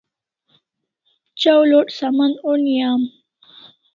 Chaw load Saman oni am